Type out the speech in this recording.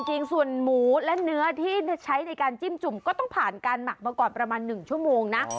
จริงส่วนหมูและเนื้อที่ใช้ในการจิ้มจุ่มก็ต้องผ่านการหมักมาก่อนประมาณ๑ชั่วโมงนะ